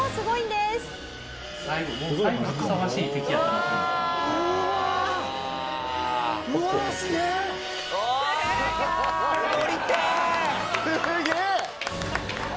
すげえ！